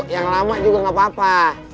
yang lama juga gapapa